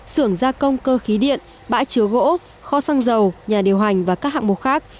xưởng gia công cơ khí điện bãi chứa gỗ kho xăng dầu nhà điều hành và các hạng mục khác